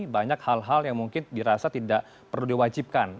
banyak hal hal yang mungkin dirasa tidak perlu diwajibkan